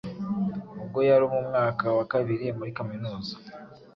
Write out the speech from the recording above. ubwo yari mu mwaka wa kabiri muri Kaminuza